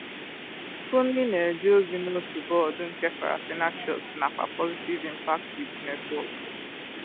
Funmi na-eje ozi n'otu bọọdụ nke Farafina Trust nakwa Positive Impact Youth Network.